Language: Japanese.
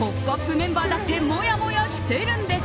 メンバーだってもやもやしてるんです！